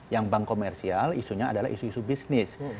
yang bank komersial isunya adalah isu isu bisnis